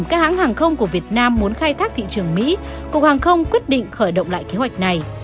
các hãng hàng không của việt nam muốn khai thác thị trường mỹ cục hàng không quyết định khởi động lại kế hoạch này